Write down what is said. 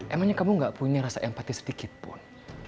emangnya kamu gak punya rasa empati sedikitpun